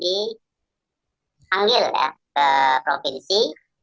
dipanggil ya ke provinsi